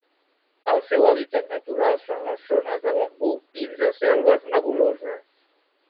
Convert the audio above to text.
El seu hàbitat natural són les zones de bambú dins de selves nebuloses.